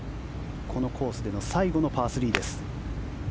このコースでの最後のパー３です。